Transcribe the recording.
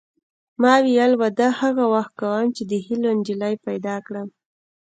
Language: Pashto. ما ویل واده هغه وخت کوم چې د هیلو نجلۍ پیدا کړم